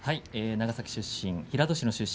長崎県出身平戸市の出身